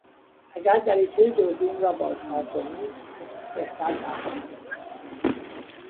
اگر دریچه دوربین را بازتر کنی عکس بهتر در خواهد آمد.